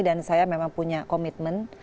dan saya memang punya komitmen